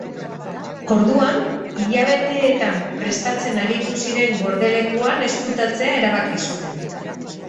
Orduan, hilabeteetan prestatzen aritu ziren gordelekuan ezkutatzea erabaki zuten.